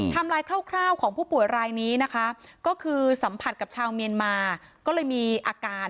ลายคร่าวของผู้ป่วยรายนี้นะคะก็คือสัมผัสกับชาวเมียนมาก็เลยมีอาการ